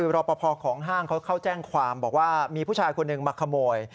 รอปภของห้างเขาเข้าแจ้งความบอกว่ามีผู้ชายคนหนึ่งมาขโมย